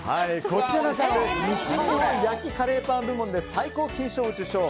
西日本焼きカレーパン部門で最高金賞を受賞。